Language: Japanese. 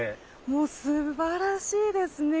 もうすばらしいですね。